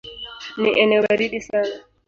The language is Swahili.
Ni eneo baridi sana.